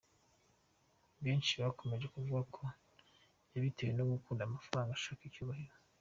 Benshi bakomeje kuvuga ko yabitewe no gukunda amafaranga ashaka icyubahiro.